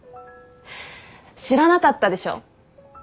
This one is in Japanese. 知らなかったでしょ。